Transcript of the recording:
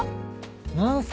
何すか？